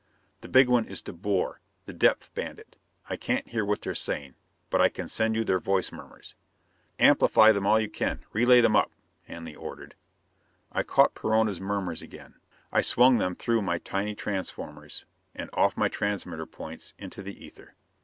"The big one is De Boer, the depth bandit. I can't hear what they're saying but I can send you their voice murmurs." "Amplify them all you can. Relay them up," Hanley ordered. I caught Perona's murmurs again; I swung them through my tiny transformers and off my transmitter points into the ether.